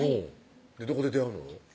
どこで出会うの？